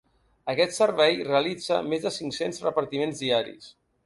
Aquest servei realitza més de cinc-cents repartiments diaris.